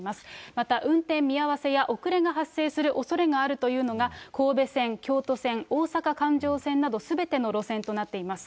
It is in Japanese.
また、運転見合わせや遅れが発生するおそれがあるというのが、神戸線、京都線、大阪環状線などすべての路線となっています。